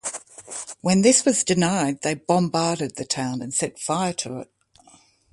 When this was denied they bombarded the town and set fire to it.